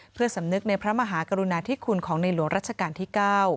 เพื่อสำนึกในพระมหากรุณาธิคุณของในหลวงรัชกาลที่๙